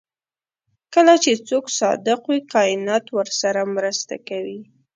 کله چې څوک صادق وي کائنات ورسره مرسته کوي.